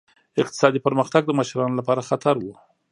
اقتصادي پرمختګ د مشرانو لپاره خطر و.